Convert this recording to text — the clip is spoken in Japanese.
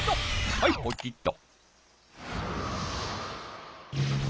はいポチッと。